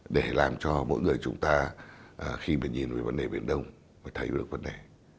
để làm cho mỗi người chúng ta khi mà nhìn về vấn đề biển đông mới thấy được vấn đề